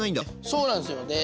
そうなんですよね。